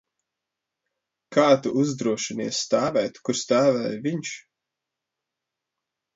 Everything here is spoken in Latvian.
Kā tu uzdrošinies stāvēt, kur stāvēja viņš?